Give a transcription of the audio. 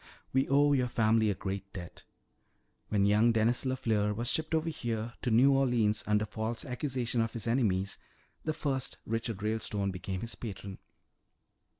We owe your family a great debt. When young Denys LeFleur was shipped over here to New Orleans under false accusation of his enemies, the first Richard Ralestone became his patron.